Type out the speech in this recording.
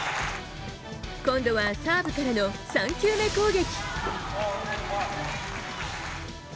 今度はサーブからの３球目攻撃。